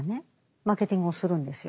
マーケティングをするんですよ。